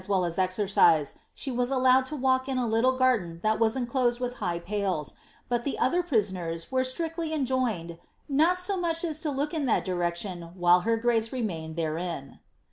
75 M welJ as exercise, she was allowed to walk in a little garden that was encloaied with high pales, but the other prisoners were strictly enjoined *^Dot so much as to look in that direction while her grace remained therein.